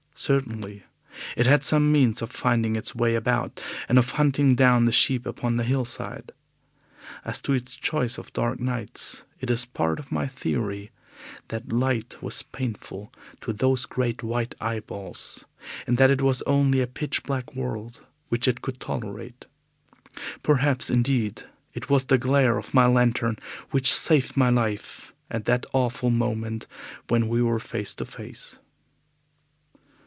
Certainly it had some means of finding its way about, and of hunting down the sheep upon the hillside. As to its choice of dark nights, it is part of my theory that light was painful to those great white eyeballs, and that it was only a pitch black world which it could tolerate. Perhaps, indeed, it was the glare of my lantern which saved my life at that awful moment when we were face to face.